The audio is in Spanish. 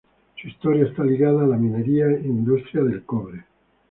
Su historia está ligada a la minería e industria del cobre.